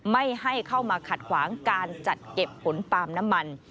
ไม่ให้เข้ามาขัดขวางการจัดเก็บผลปาล์มน้ำมัน